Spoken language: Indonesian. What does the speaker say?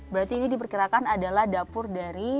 berarti ini diperkirakan adalah dapur dari